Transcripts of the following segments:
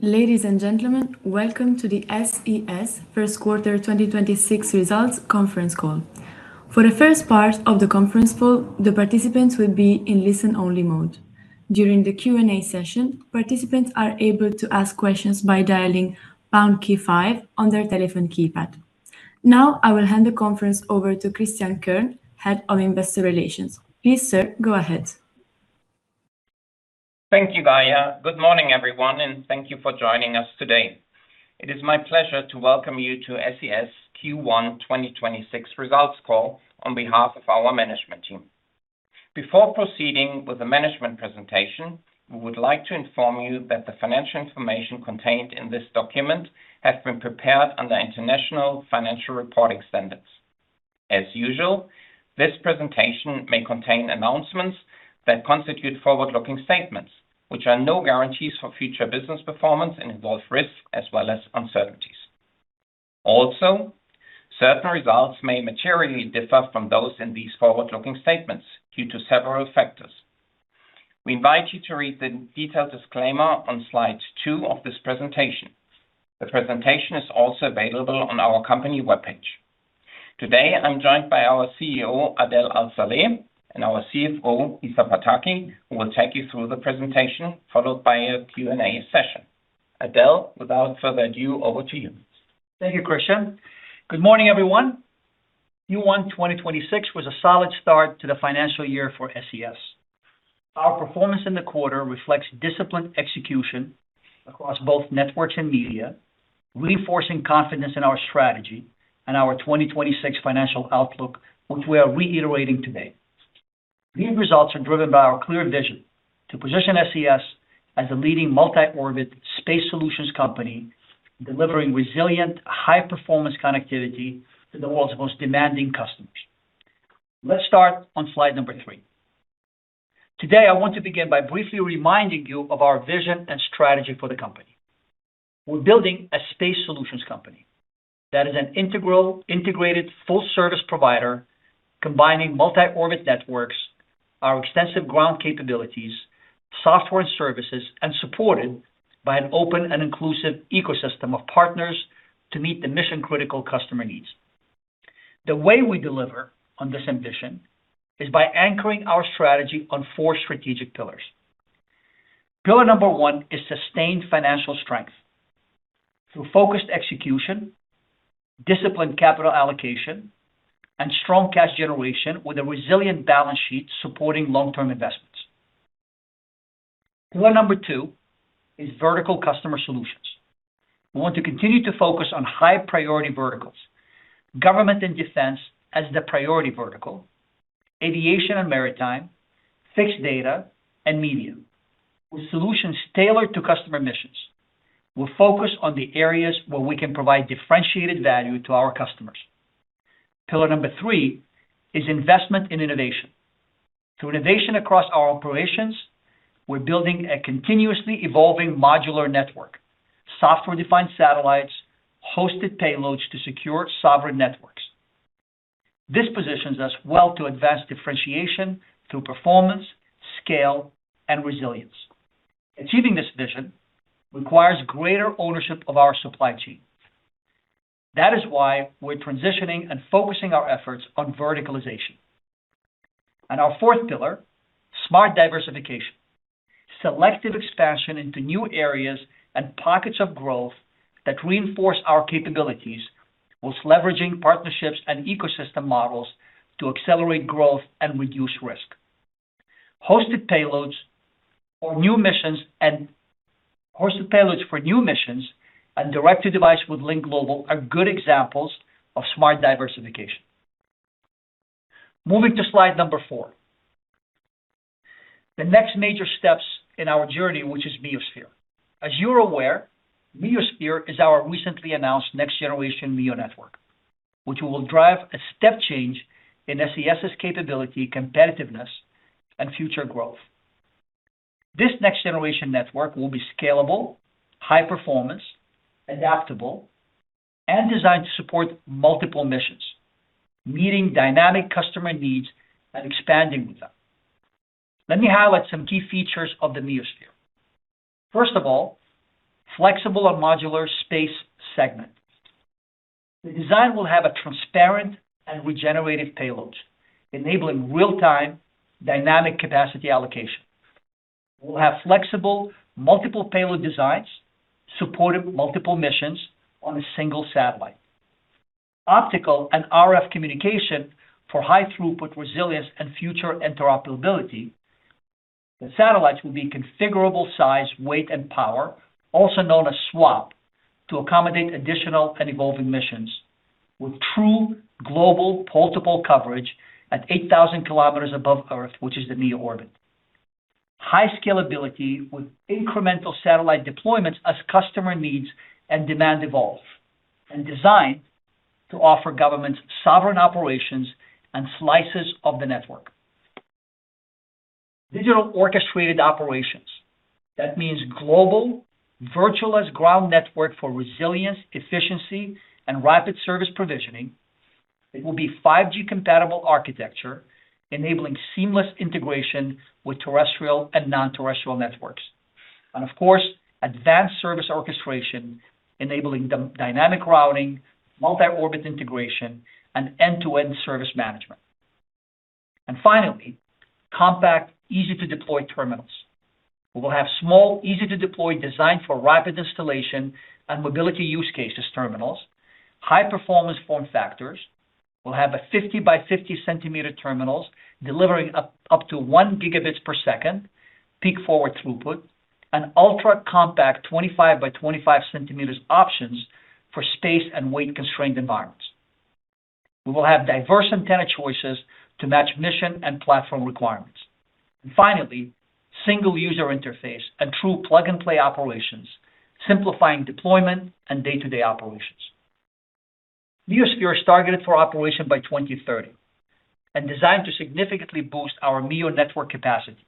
Ladies and gentlemen, welcome to the SES first quarter 2026 results conference call. For the first part of the conference call, the participants will be in listen-only mode. During the Q&A session, participants are able to ask questions by dialing pound key five on their telephone keypad. I will hand the conference over to Christian Kern, Head of Investor Relations. Please, sir, go ahead. Thank you, Gaia. Good morning, everyone, and thank you for joining us today. It is my pleasure to welcome you to SES Q1 2026 results call on behalf of our management team. Before proceeding with the management presentation, we would like to inform you that the financial information contained in this document has been prepared under International Financial Reporting Standards. As usual, this presentation may contain announcements that constitute forward-looking statements, which are no guarantees for future business performance and involve risks as well as uncertainties. Also, certain results may materially differ from those in these forward-looking statements due to several factors. We invite you to read the detailed disclaimer on slide two of this presentation. The presentation is also available on our company webpage. Today, I'm joined by our CEO, Adel Al-Saleh, and our CFO, Lisa Pataki, who will take you through the presentation, followed by a Q&A session. Adel, without further ado, over to you. Thank you, Christian. Good morning, everyone. Q1 2026 was a solid start to the financial year for SES. Our performance in the quarter reflects disciplined execution across both networks and Media, reinforcing confidence in our strategy and our 2026 financial outlook, which we are reiterating today. These results are driven by our clear vision to position SES as a leading multi-orbit space solutions company, delivering resilient high-performance connectivity to the world's most demanding customers. Let's start on slide number three. Today, I want to begin by briefly reminding you of our vision and strategy for the company. We're building a space solutions company that is an integral, integrated full service provider, combining multi-orbit networks, our extensive ground capabilities, software and services, and supported by an open and inclusive ecosystem of partners to meet the mission-critical customer needs. The way we deliver on this ambition is by anchoring our strategy on four strategic pillars. Pillar number one is sustained financial strength through focused execution, disciplined capital allocation, and strong cash generation with a resilient balance sheet supporting long-term investments. Pillar number two is vertical customer solutions. We want to continue to focus on high-priority verticals, government and defense as the priority vertical, aviation and maritime, Fixed Data, and Media, with solutions tailored to customer missions. We're focused on the areas where we can provide differentiated value to our customers. Pillar number three is investment in innovation. Through innovation across our operations, we're building a continuously evolving modular network, software-defined satellites, hosted payloads to secure sovereign networks. This positions us well to advance differentiation through performance, scale, and resilience. Achieving this vision requires greater ownership of our supply chain. That is why we're transitioning and focusing our efforts on verticalization. Our fourth pillar, smart diversification. Selective expansion into new areas and pockets of growth that reinforce our capabilities while leveraging partnerships and ecosystem models to accelerate growth and reduce risk. Hosted payloads for new missions and direct-to-device with Lynk Global are good examples of smart diversification. Moving to slide number four. The next major steps in our journey, which is meoSphere. As you're aware, meoSphere is our recently announced next-generation MEO network, which will drive a step change in SES's capability, competitiveness, and future growth. This next-generation network will be scalable, high-performance, adaptable, and designed to support multiple missions, meeting dynamic customer needs and expanding with them. Let me highlight some key features of the meoSphere. First of all, flexible and modular space segment. The design will have a transparent and regenerative payload, enabling real-time dynamic capacity allocation. We'll have flexible multiple payload designs, supporting multiple missions on a single satellite. Optical and RF communication for high throughput resilience and future interoperability. The satellites will be configurable size, weight, and power, also known as SWAP, to accommodate additional and evolving missions with true global multiple coverage at 8,000 km above Earth, which is the MEO orbit. High scalability with incremental satellite deployments as customer needs and demand evolve, designed to offer governments sovereign operations and slices of the network. Digital orchestrated operations. That means global virtualized ground network for resilience, efficiency, and rapid service provisioning. It will be 5G compatible architecture, enabling seamless integration with terrestrial and non-terrestrial networks. Of course, advanced service orchestration enabling dynamic routing, multi-orbit integration, and end-to-end service management. Finally, compact, easy to deploy terminals. We will have small, easy to deploy design for rapid installation and mobility use cases terminals. High performance form factors will have a 50 x 50 cm terminals delivering up to 1 Gb per second peak forward throughput, and ultra compact 25 x 25 cm options for space and weight constrained environments. We will have diverse antenna choices to match mission and platform requirements. Finally, single user interface and true plug-and-play operations, simplifying deployment and day-to-day operations. meoSphere is targeted for operation by 2030 and designed to significantly boost our MEO network capacity.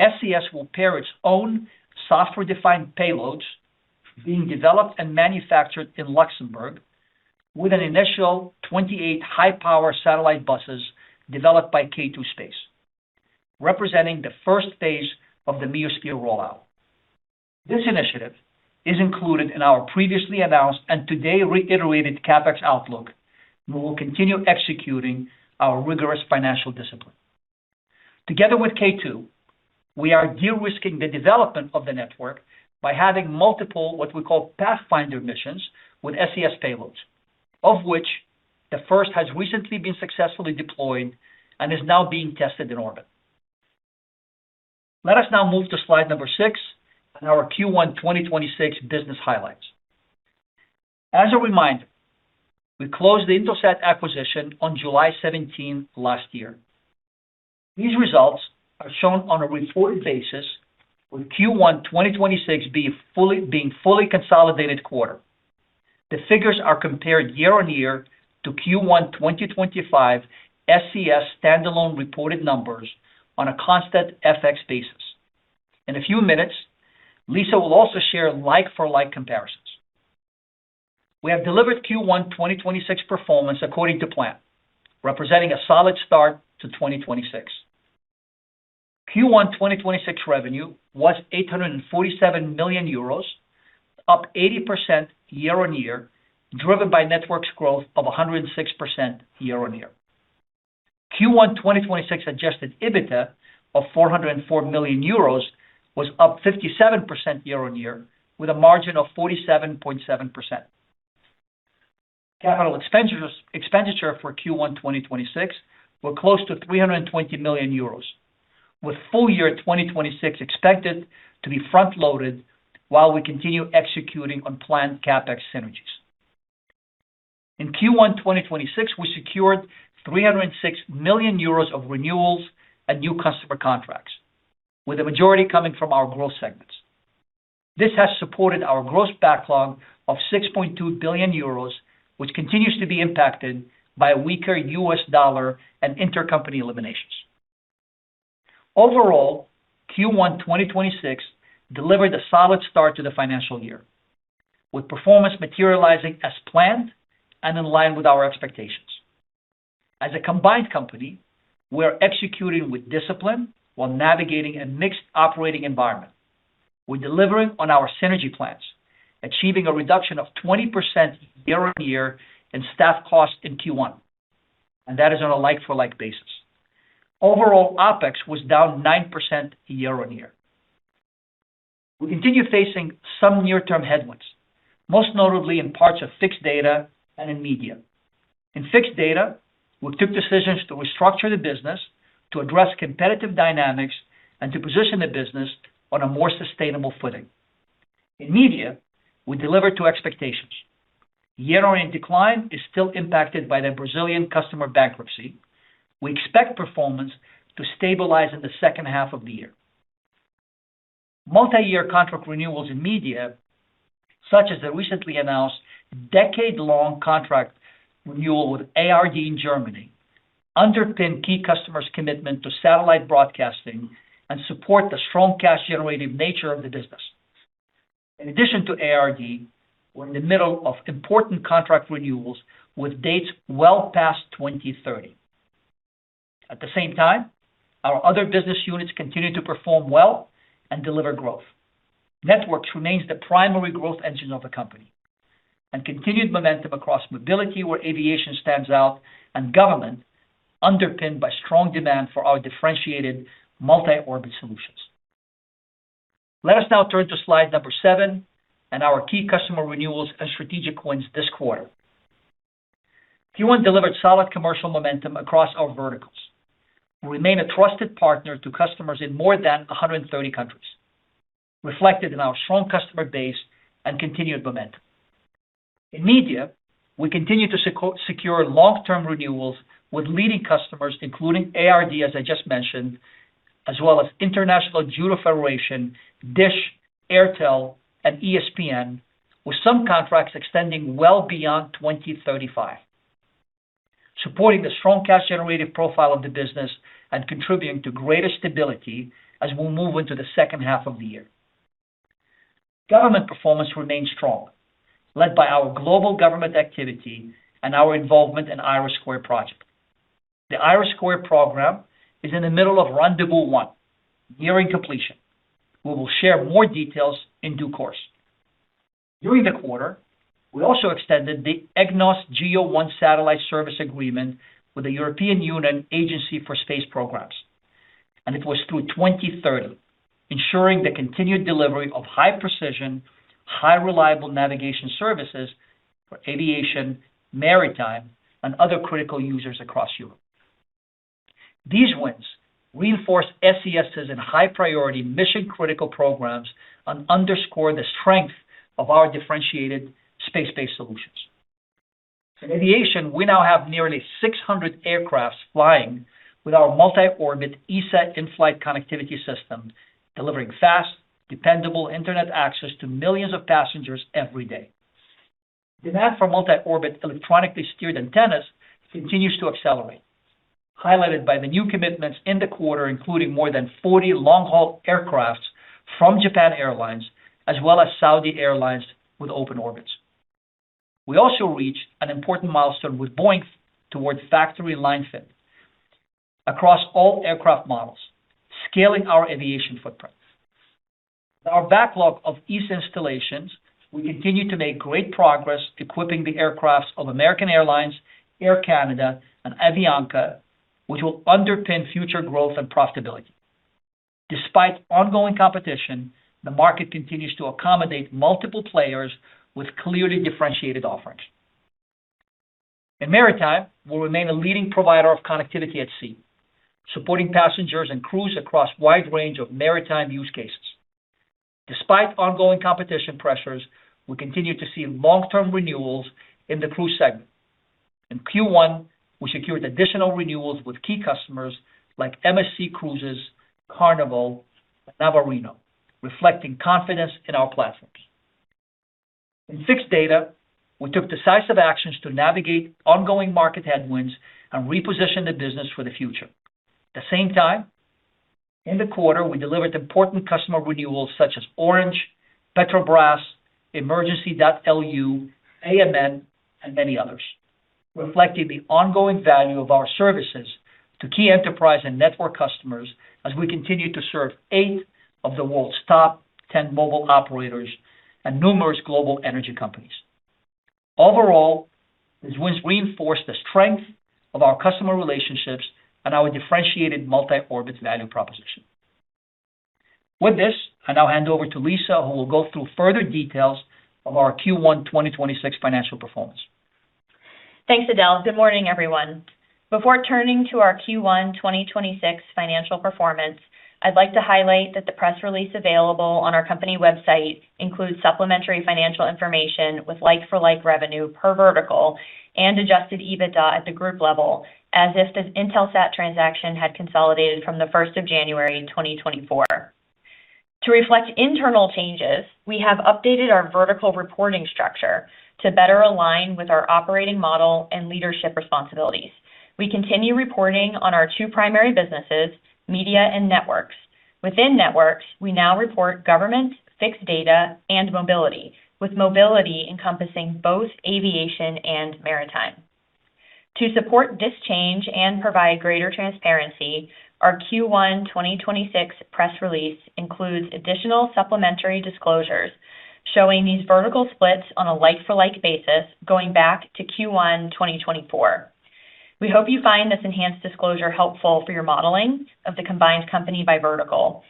SES will pair its own software-defined payloads being developed and manufactured in Luxembourg with an initial 28 high power satellite buses developed by K2 Space, representing the first phase of the meoSphere rollout. This initiative is included in our previously announced and today reiterated CapEx outlook. We will continue executing our rigorous financial discipline. Together with K2, we are de-risking the development of the network by having multiple, what we call, pathfinder missions with SES payloads, of which the first has recently been successfully deployed and is now being tested in orbit. Let us now move to slide number six and our Q1 2026 business highlights. As a reminder, we closed the Intelsat acquisition on July 17th last year. These results are shown on a reported basis with Q1 2026 being fully consolidated quarter. The figures are compared year-on-year to Q1 2025 SES standalone reported numbers on a constant FX basis. In a few minutes, Lisa will also share like for like comparisons. We have delivered Q1 2026 performance according to plan, representing a solid start to 2026. Q1 2026 revenue was 847 million euros, up 80% year-on-year, driven by networks growth of 106% year-on-year. Q1 2026 adjusted EBITDA of 404 million euros was up 57% year-on-year, with a margin of 47.7%. Capital expenditures for Q1 2026 were close to 320 million euros, with full year 2026 expected to be front-loaded while we continue executing on planned CapEx synergies. In Q1 2026, we secured 306 million euros of renewals and new customer contracts, with the majority coming from our growth segments. This has supported our gross backlog of 6.2 billion euros, which continues to be impacted by a weaker US dollar and intercompany eliminations. Overall, Q1 2026 delivered a solid start to the financial year, with performance materializing as planned and in line with our expectations. As a combined company, we are executing with discipline while navigating a mixed operating environment. We're delivering on our synergy plans, achieving a reduction of 20% year-over-year in staff costs in Q1, and that is on a like-for-like basis. Overall, OpEx was down 9% year-over-year. We continue facing some near-term headwinds, most notably in parts of Fixed Data and in Media. In Fixed Data, we took decisions to restructure the business to address competitive dynamics and to position the business on a more sustainable footing. In Media, we delivered to expectations. Year-over-year decline is still impacted by the Brazilian customer bankruptcy. We expect performance to stabilize in the second half of the year. Multi-year contract renewals in Media, such as the recently announced decade-long contract renewal with ARD in Germany, underpin key customers' commitment to satellite broadcasting and support the strong cash generating nature of the business. In addition to ARD, we're in the middle of important contract renewals with dates well past 2030. Our other business units continue to perform well and deliver growth. Networks remains the primary growth engine of the company, and continued momentum across mobility, where aviation stands out, and government underpinned by strong demand for our differentiated multi-orbit solutions. Let us now turn to slide number seven and our key customer renewals and strategic wins this quarter. Q1 delivered solid commercial momentum across our verticals. We remain a trusted partner to customers in more than 130 countries, reflected in our strong customer base and continued momentum. In Media, we continue to secure long-term renewals with leading customers, including ARD, as I just mentioned, as well as International Judo Federation, Dish, Airtel, and ESPN, with some contracts extending well beyond 2035. Supporting the strong cash generative profile of the business and contributing to greater stability as we move into the second half of the year. Government performance remained strong, led by our global government activity and our involvement in IRIS² project. The IRIS² program is in the middle of Rendez-Vous 1, nearing completion. We will share more details in due course. During the quarter, we also extended the EGNOS GEO-1 satellite service agreement with the European Union Agency for the Space Programme, and it was through 2030, ensuring the continued delivery of high precision, high reliable navigation services for aviation, maritime, and other critical users across Europe. These wins reinforce SES's in high-priority mission-critical programs and underscore the strength of our differentiated space-based solutions. In Aviation, we now have nearly 600 aircrafts flying with our multi-orbit ESA inflight connectivity system, delivering fast, dependable internet access to millions of passengers every day. Demand for multi-orbit electronically steered antennas continues to accelerate, highlighted by the new commitments in the quarter, including more than 40 long-haul aircraft from Japan Airlines as well as Saudi Airlines with Open Orbits. We also reached an important milestone with Boeing towards factory line fit across all aircraft models, scaling our aviation footprint. With our backlog of ESA installations, we continue to make great progress equipping the aircraft of American Airlines, Air Canada, and Avianca, which will underpin future growth and profitability. Despite ongoing competition, the market continues to accommodate multiple players with clearly differentiated offerings. In maritime, we'll remain a leading provider of connectivity at sea, supporting passengers and crews across wide range of maritime use cases. Despite ongoing competition pressures, we continue to see long-term renewals in the cruise segment. In Q1, we secured additional renewals with key customers like MSC Cruises, Carnival, and Navarino, reflecting confidence in our platforms. In Fixed Data, we took decisive actions to navigate ongoing market headwinds and reposition the business for the future. At the same time, in the quarter, we delivered important customer renewals such as Orange, Petrobras, Emergency.lu, AMN, and many others, reflecting the ongoing value of our services to key enterprise and network customers as we continue to serve eight of the world's top 10 mobile operators and numerous global energy companies. Overall, these wins reinforce the strength of our customer relationships and our differentiated multi-orbit value proposition. With this, I now hand over to Lisa, who will go through further details of our Q1 2026 financial performance. Thanks, Adel. Good morning, everyone. Before turning to our Q1 2026 financial performance, I'd like to highlight that the press release available on our company website includes supplementary financial information with like-for-like revenue per vertical and adjusted EBITDA at the group level as if the Intelsat transaction had consolidated from the 1st of January 2024. To reflect internal changes, we have updated our vertical reporting structure to better align with our operating model and leadership responsibilities. We continue reporting on our two primary businesses, Media and Networks. Within Networks, we now report Government, Fixed Data, and Mobility, with Mobility encompassing both aviation and maritime. To support this change and provide greater transparency, our Q1 2026 press release includes additional supplementary disclosures showing these vertical splits on a like-for-like basis going back to Q1 2024. We hope you find this enhanced disclosure helpful for your modeling of the combined company by vertical.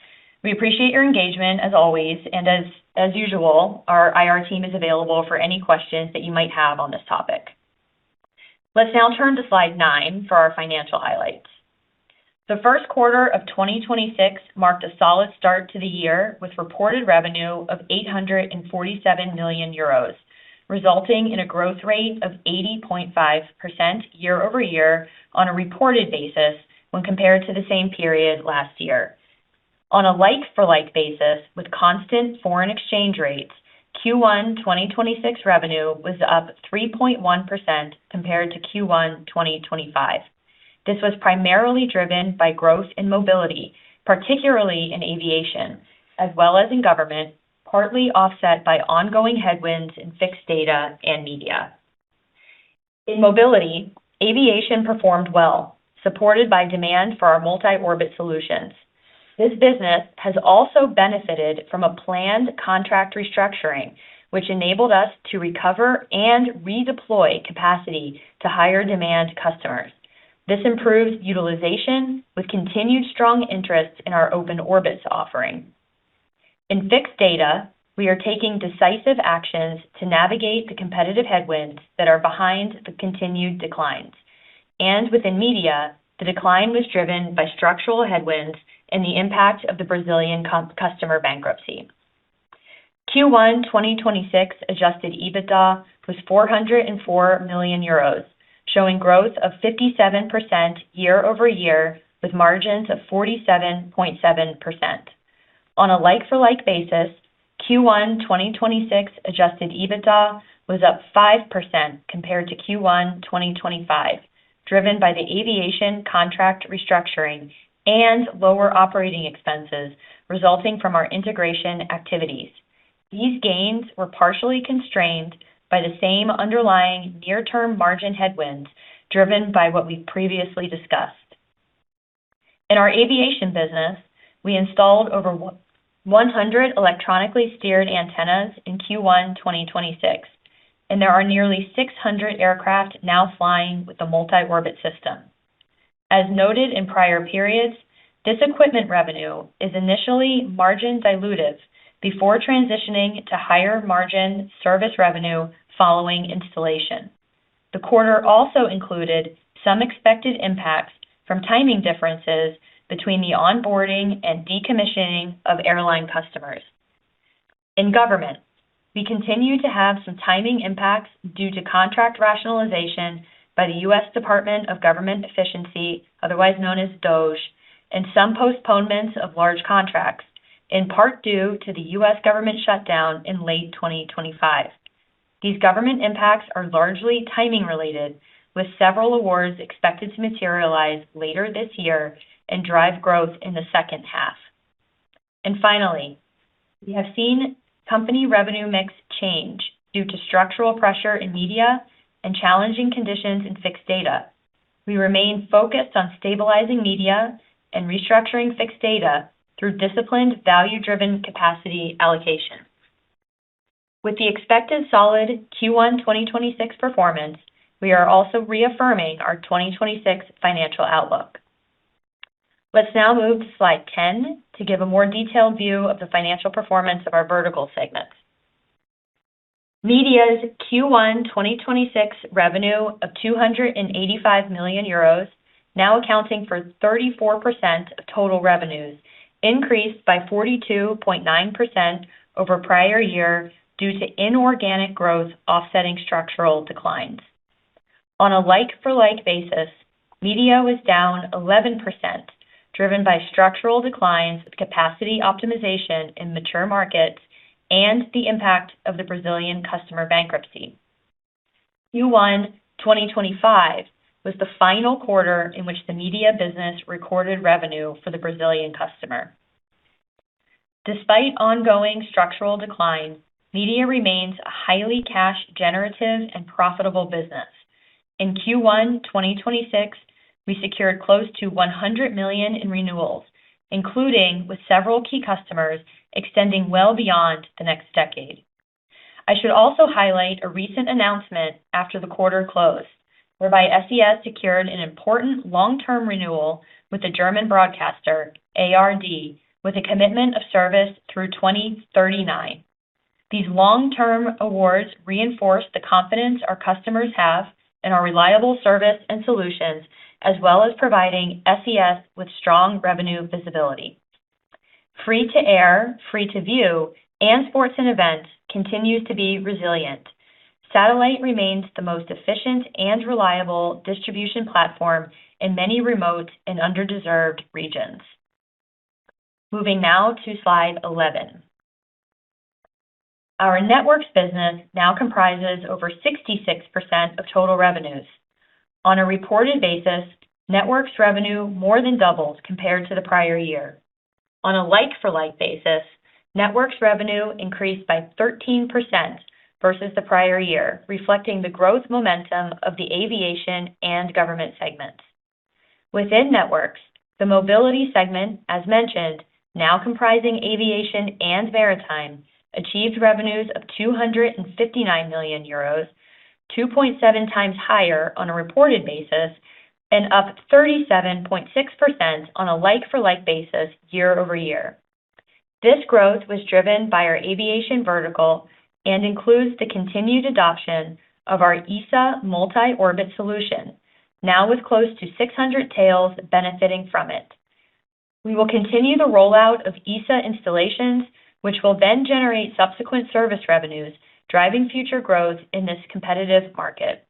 We appreciate your engagement as always, and as usual, our IR team is available for any questions that you might have on this topic. Let's now turn to slide nine for our financial highlights. The first quarter of 2026 marked a solid start to the year with reported revenue of 847 million euros, resulting in a growth rate of 80.5% year-over-year on a reported basis when compared to the same period last year. On a like-for-like basis with constant foreign exchange rates, Q1 2026 revenue was up 3.1% compared to Q1 2025. This was primarily driven by growth in Mobility, particularly in Aviation, as well as in Government, partly offset by ongoing headwinds in Fixed Data and Media. In Mobility, Aviation performed well, supported by demand for our multi-orbit solutions. This business has also benefited from a planned contract restructuring, which enabled us to recover and redeploy capacity to higher demand customers. This improved utilization with continued strong interest in our Open Orbits offering. In Fixed Data, we are taking decisive actions to navigate the competitive headwinds that are behind the continued declines. Within Media, the decline was driven by structural headwinds and the impact of the Brazilian customer bankruptcy. Q1 2026 adjusted EBITDA was 404 million euros, showing growth of 57% year-over-year, with margins of 47.7%. On a like-for-like basis, Q1 2026 adjusted EBITDA was up 5% compared to Q1 2025. Driven by the aviation contract restructuring and lower operating expenses resulting from our integration activities. These gains were partially constrained by the same underlying near-term margin headwinds driven by what we previously discussed. In our Aviation business, we installed over 100 electronically steered antennas in Q1 2026, and there are nearly 600 aircraft now flying with the multi-orbit system. As noted in prior periods, this equipment revenue is initially margin dilutive before transitioning to higher margin service revenue following installation. The quarter also included some expected impacts from timing differences between the onboarding and decommissioning of airline customers. In government, we continue to have some timing impacts due to contract rationalization by the U.S. Department of Government Efficiency, otherwise known as DOGE, and some postponements of large contracts, in part due to the U.S. government shutdown in late 2025. These government impacts are largely timing related, with several awards expected to materialize later this year and drive growth in the second half. Finally, we have seen company revenue mix change due to structural pressure in Media and challenging conditions in Fixed Data. We remain focused on stabilizing Media and restructuring Fixed Data through disciplined value-driven capacity allocation. With the expected solid Q1 2026 performance, we are also reaffirming our 2026 financial outlook. Let's now move to slide 10 to give a more detailed view of the financial performance of our vertical segments. Media's Q1 2026 revenue of 285 million euros, now accounting for 34% of total revenues, increased by 42.9% over prior year due to inorganic growth offsetting structural declines. On a like-for-like basis, Media was down 11%, driven by structural declines with capacity optimization in mature markets and the impact of the Brazilian customer bankruptcy. Q1 2025 was the final quarter in which the Media business recorded revenue for the Brazilian customer. Despite ongoing structural decline, Media remains a highly cash generative and profitable business. In Q1 2026, we secured close to 100 million in renewals, including with several key customers extending well beyond the next decade. I should also highlight a recent announcement after the quarter closed, whereby SES secured an important long-term renewal with the German broadcaster, ARD, with a commitment of service through 2039. These long-term awards reinforce the confidence our customers have in our reliable service and solutions, as well as providing SES with strong revenue visibility. Free-to-air, free-to-view, and sports and events continue to be resilient. Satellite remains the most efficient and reliable distribution platform in many remote and underserved regions. Moving now to slide 11. Our networks business now comprises over 66% of total revenues. On a reported basis, networks revenue more than doubled compared to the prior year. On a like-for-like basis, networks revenue increased by 13% versus the prior year, reflecting the growth momentum of the aviation and government segments. Within networks, the mobility segment, as mentioned, now comprising aviation and maritime, achieved revenues of 259 million euros, 2.7 times higher on a reported basis and up 37.6% on a like-for-like basis year-over-year. This growth was driven by our aviation vertical and includes the continued adoption of our ESA multi-orbit solution, now with close to 600 tails benefiting from it. We will continue the rollout of ESA installations, which will then generate subsequent service revenues, driving future growth in this competitive market.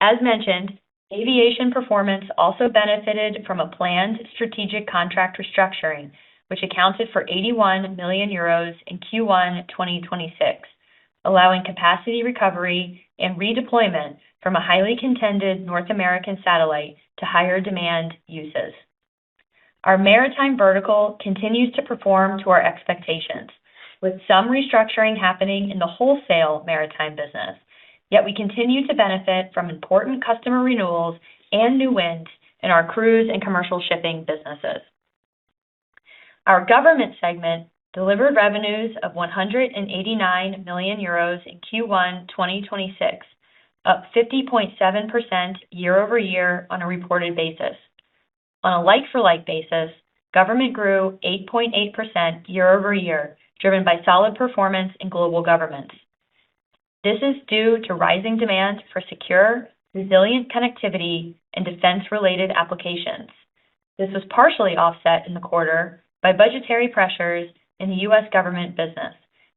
As mentioned, Aviation performance also benefited from a planned strategic contract restructuring, which accounted for 81 million euros in Q1 2026, allowing capacity recovery and redeployment from a highly contended North American satellite to higher demand uses. Our maritime vertical continues to perform to our expectations, with some restructuring happening in the wholesale maritime business. We continue to benefit from important customer renewals and new wins in our cruise and commercial shipping businesses. Our government segment delivered revenues of 189 million euros in Q1 2026, up 50.7% year-over-year on a reported basis. On a like-for-like basis, government grew 8.8% year-over-year, driven by solid performance in global governments. This is due to rising demand for secure, resilient connectivity and defense-related applications. This was partially offset in the quarter by budgetary pressures in the U.S. government business,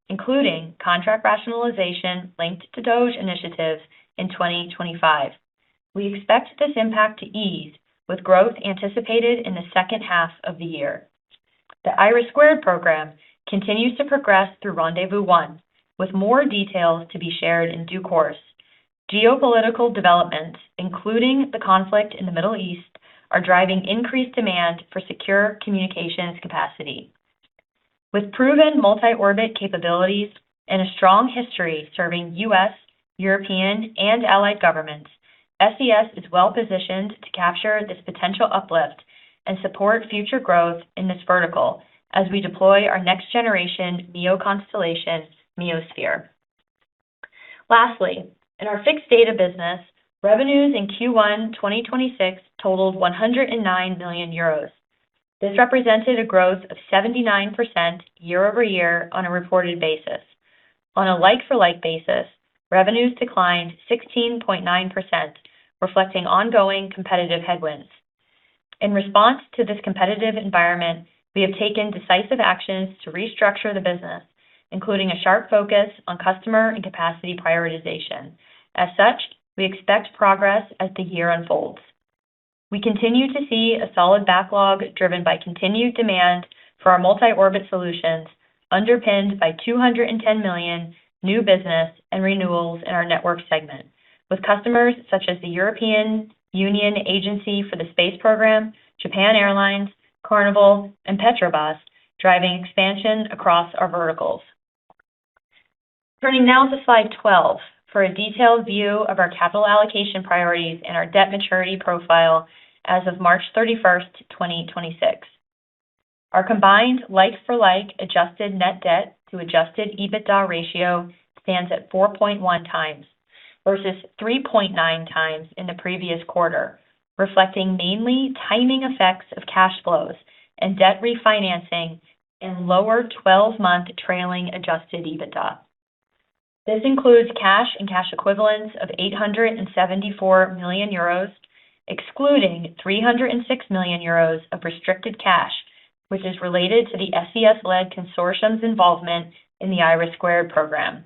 including contract rationalization linked to DOGE initiatives in 2025. We expect this impact to ease, with growth anticipated in the second half of the year. The IRIS² program continues to progress through Rendez-Vous 1, with more details to be shared in due course. Geopolitical developments, including the conflict in the Middle East, are driving increased demand for secure communications capacity. With proven multi-orbit capabilities and a strong history serving U.S., European, and allied governments, SES is well-positioned to capture this potential uplift and support future growth in this vertical as we deploy our next-generation MEO constellation, meoSphere. Lastly, in our Fixed Data business, revenues in Q1 2026 totaled 109 million euros. This represented a growth of 79% year-over-year on a reported basis. On a like-for-like basis, revenues declined 16.9%, reflecting ongoing competitive headwinds. In response to this competitive environment, we have taken decisive actions to restructure the business, including a sharp focus on customer and capacity prioritization. As such, we expect progress as the year unfolds. We continue to see a solid backlog driven by continued demand for our multi-orbit solutions, underpinned by 210 million new business and renewals in our network segment, with customers such as the European Union Agency for the Space Programme, Japan Airlines, Carnival, and Petrobras driving expansion across our verticals. Turning now to slide 12 for a detailed view of our capital allocation priorities and our debt maturity profile as of March 31st, 2026. Our combined like-for-like adjusted net debt to adjusted EBITDA ratio stands at 4.1x versus 3.9x in the previous quarter, reflecting mainly timing effects of cash flows and debt refinancing and lower 12-month trailing adjusted EBITDA. This includes cash and cash equivalents of 874 million euros, excluding 306 million euros of restricted cash, which is related to the SES-led consortium's involvement in the IRIS² program.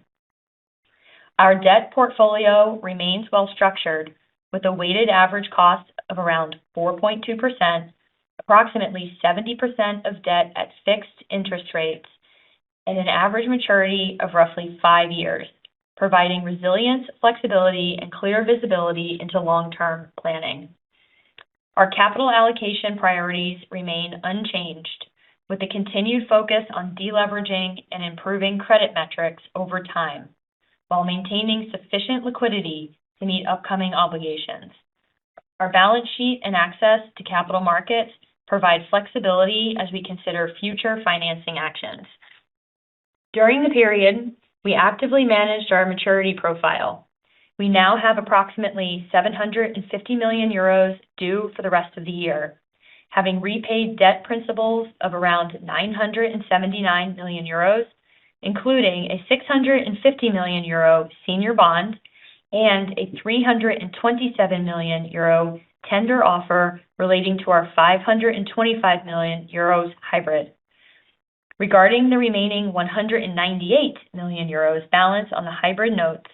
Our debt portfolio remains well-structured, with a weighted average cost of around 4.2%, approximately 70% of debt at fixed interest rates and an average maturity of roughly five years, providing resilience, flexibility, and clear visibility into long-term planning. Our capital allocation priorities remain unchanged, with a continued focus on deleveraging and improving credit metrics over time while maintaining sufficient liquidity to meet upcoming obligations. Our balance sheet and access to capital markets provide flexibility as we consider future financing actions. During the period, we actively managed our maturity profile. We now have approximately 750 million euros due for the rest of the year, having repaid debt principals of around 979 million euros, including a 650 million euro senior bond and a 327 million euro tender offer relating to our 525 million euros hybrid. Regarding the remaining 198 million euros balance on the hybrid notes,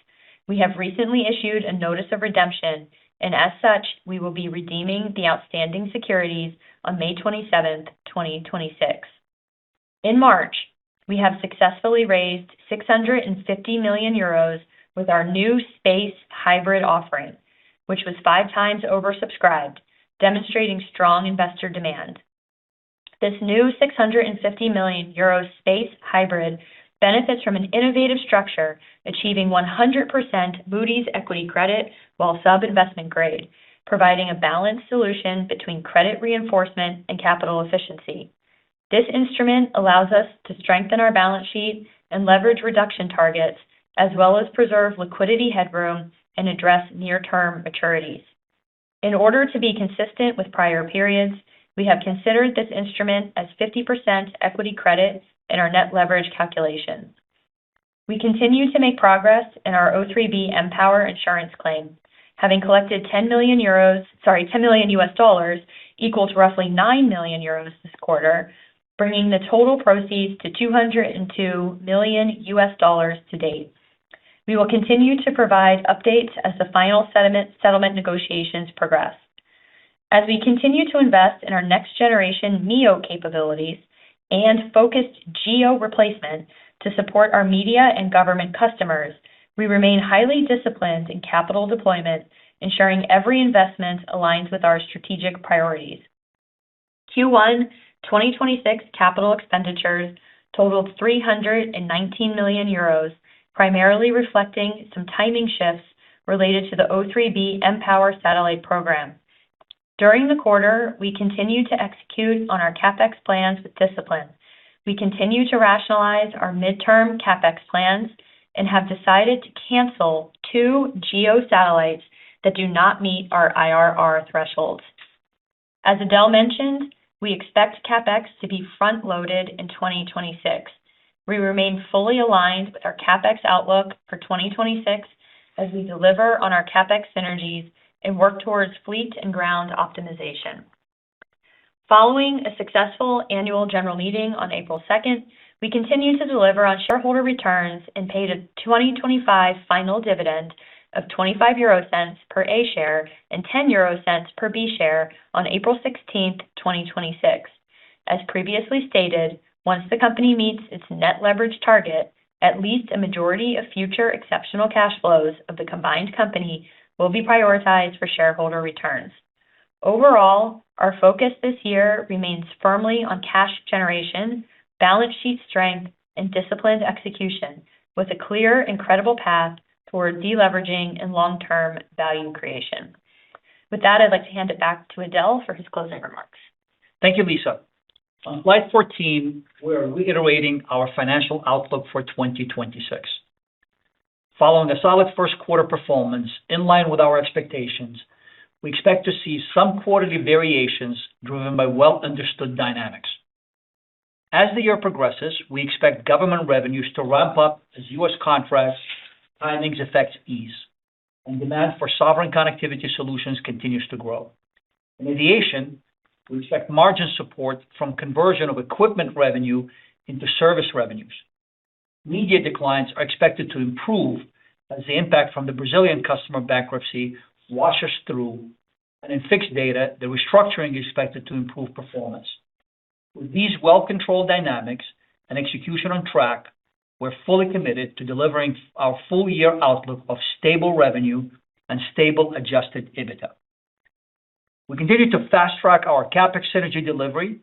we have recently issued a notice of redemption. As such, we will be redeeming the outstanding securities on May 27th, 2026. In March, we have successfully raised 650 million euros with our new SPACE hybrid offering, which was 5x oversubscribed, demonstrating strong investor demand. This new 650 million euro SPACE hybrid benefits from an innovative structure, achieving 100% Moody's equity credit while sub-investment grade, providing a balanced solution between credit reinforcement and capital efficiency. This instrument allows us to strengthen our balance sheet and leverage reduction targets, as well as preserve liquidity headroom and address near-term maturities. In order to be consistent with prior periods, we have considered this instrument as 50% equity credit in our net leverage calculations. We continue to make progress in our O3b mPOWER insurance claim, having collected sorry, $10 million, equals roughly 9 million euros this quarter, bringing the total proceeds to $202 million to date. We will continue to provide updates as the final settlement negotiations progress. As we continue to invest in our next-generation MEO capabilities and focused GEO replacement to support our Media and government customers, we remain highly disciplined in capital deployment, ensuring every investment aligns with our strategic priorities. Q1 2026 capital expenditures totaled 319 million euros, primarily reflecting some timing shifts related to the O3b mPOWER satellite program. During the quarter, we continued to execute on our CapEx plans with discipline. We continue to rationalize our midterm CapEx plans and have decided to cancel two GEO satellites that do not meet our IRR thresholds. As Adel mentioned, we expect CapEx to be front-loaded in 2026. We remain fully aligned with our CapEx outlook for 2026 as we deliver on our CapEx synergies and work towards fleet and ground optimization. Following a successful annual general meeting on April 2nd, we continued to deliver on shareholder returns and paid a 2025 final dividend of 0.25 per A share and 0.10 per B share on April 16th, 2026. As previously stated, once the company meets its net leverage target, at least a majority of future exceptional cash flows of the combined company will be prioritized for shareholder returns. Overall, our focus this year remains firmly on cash generation, balance sheet strength, and disciplined execution, with a clear and credible path toward deleveraging and long-term value creation. I'd like to hand it back to Adel for his closing remarks. Thank you, Lisa. On slide 14, we are reiterating our financial outlook for 2026. Following a solid first quarter performance in line with our expectations, we expect to see some quarterly variations driven by well-understood dynamics. As the year progresses, we expect government revenues to ramp up as U.S. contracts findings effect ease and demand for sovereign connectivity solutions continues to grow. In Aviation, we expect margin support from conversion of equipment revenue into service revenues. Media declines are expected to improve as the impact from the Brazilian customer bankruptcy washes through. In Fixed Data, the restructuring is expected to improve performance. With these well-controlled dynamics and execution on track, we're fully committed to delivering our full year outlook of stable revenue and stable adjusted EBITDA. We continue to fast-track our CapEx synergy delivery.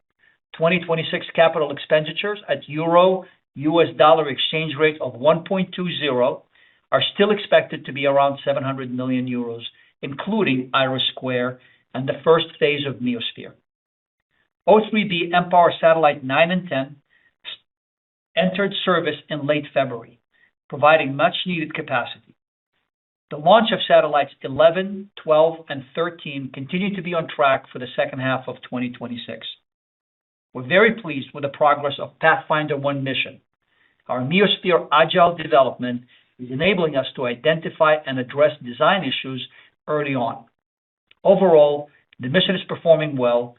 2026 capital expenditures at euro US dollar exchange rate of 1.20 are still expected to be around 700 million euros, including IRIS² and the first phase of meoSphere. O3b mPOWER satellite nine and 10 entered service in late February, providing much-needed capacity. The launch of satellites 11, 12, and 13 continue to be on track for the second half of 2026. We're very pleased with the progress of Pathfinder One mission. Our meoSphere agile development is enabling us to identify and address design issues early on. Overall, the mission is performing well,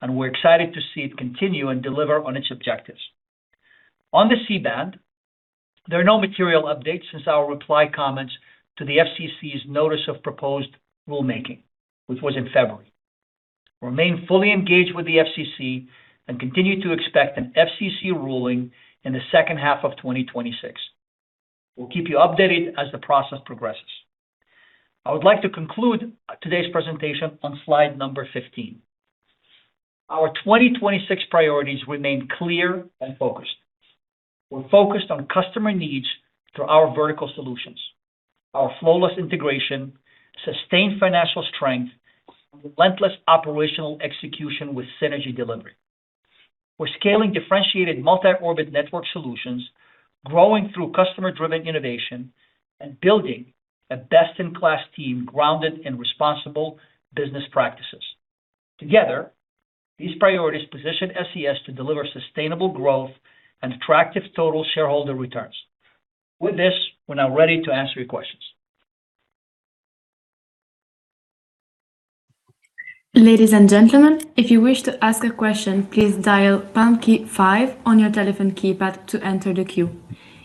and we're excited to see it continue and deliver on its objectives. On the C-band, there are no material updates since our reply comments to the FCC's Notice of Proposed Rulemaking, which was in February. Remain fully engaged with the FCC and continue to expect an FCC ruling in the second half of 2026. We'll keep you updated as the process progresses. I would like to conclude today's presentation on slide number 15. Our 2026 priorities remain clear and focused. We're focused on customer needs through our vertical solutions, our flawless integration, sustained financial strength, relentless operational execution with synergy delivery. We're scaling differentiated multi-orbit network solutions, growing through customer-driven innovation, and building a best-in-class team grounded in responsible business practices. Together, these priorities position SES to deliver sustainable growth and attractive total shareholder returns. With this, we're now ready to answer your questions. Ladies and gentlemen, if you wish to ask a question, please dial pound key five on your telephone keypad to enter the queue.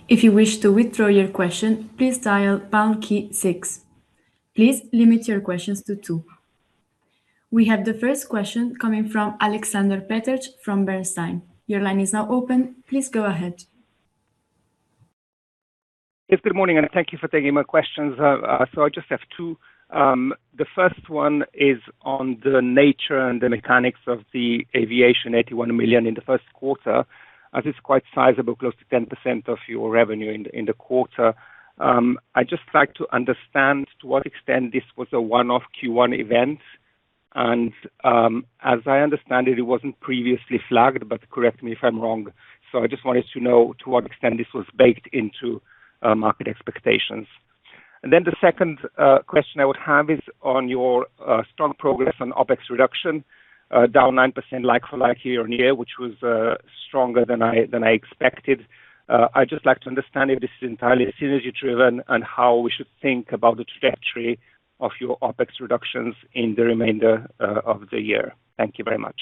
If you wish to withdraw your question, please dial pound key six. Please limit your questions to two. We have the first question coming from Aleksander Peterc from Bernstein. Your line is now open. Please go ahead. Yes, good morning, and thank you for taking my questions. I just have two. The first one is on the nature and the mechanics of the aviation 81 million in the first quarter, as it's quite sizable, close to 10% of your revenue in the quarter. I'd just like to understand to what extent this was a one-off Q1 event. As I understand it wasn't previously flagged, but correct me if I'm wrong. I just wanted to know to what extent this was baked into market expectations. The second question I would have is on your strong progress on OpEx reduction, down 9% like for like year-on-year, which was stronger than I expected. I'd just like to understand if this is entirely synergy driven and how we should think about the trajectory of your OpEx reductions in the remainder of the year. Thank you very much.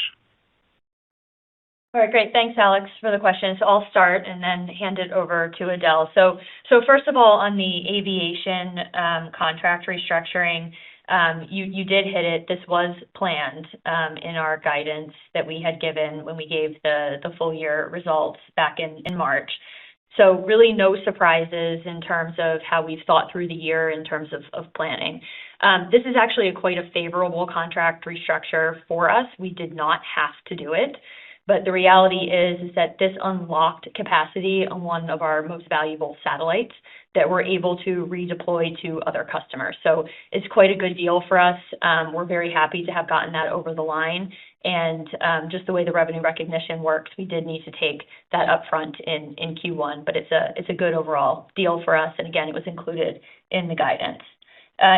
All right. Great. Thanks, Alex, for the questions. I'll start and then hand it over to Adel. First of all, on the aviation, contract restructuring, you did hit it. This was planned in our guidance that we had given when we gave the full year results back in March. Really no surprises in terms of how we've thought through the year in terms of planning. This is actually quite a favorable contract restructure for us. We did not have to do it, but the reality is that this unlocked capacity on one of our most valuable satellites that we're able to redeploy to other customers. It's quite a good deal for us. We're very happy to have gotten that over the line. Just the way the revenue recognition works, we did need to take that upfront in Q1, but it's a good overall deal for us. Again, it was included in the guidance.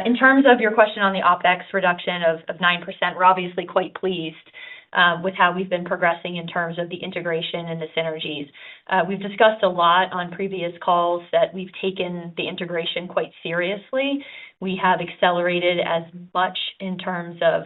In terms of your question on the OpEx reduction of 9%, we're obviously quite pleased with how we've been progressing in terms of the integration and the synergies. We've discussed a lot on previous calls that we've taken the integration quite seriously. We have accelerated as much in terms of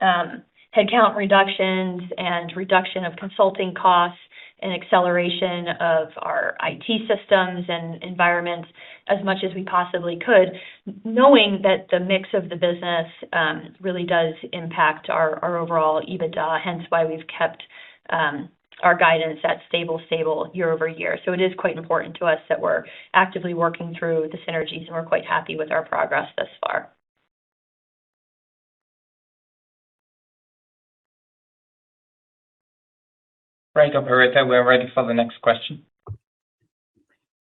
headcount reductions and reduction of consulting costs and acceleration of our IT systems and environments as much as we possibly could, knowing that the mix of the business really does impact our overall EBITDA. Hence why we've kept our guidance at stable year-over-year. It is quite important to us that we're actively working through the synergies, and we're quite happy with our progress thus far. Great. Operator, we are ready for the next question.